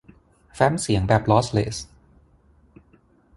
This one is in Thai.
แฟ้มเสียงแบบลอสเลส